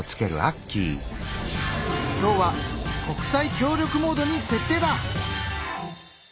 今日は「国際協力」モードに設定だ！